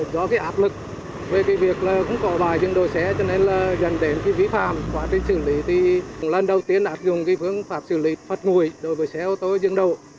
do cái áp lực về cái việc là cũng có vài dừng đỗ xe cho nên là dần đến cái vi phạm quá trình xử lý thì lần đầu tiên áp dụng cái phương pháp xử lý phạt nguội đối với xe ô tô dừng đỗ